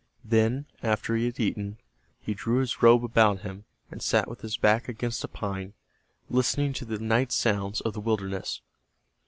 Then, after he had eaten, he drew his robe about him, and sat with his back against a pine, listening to the night sounds of the wilderness.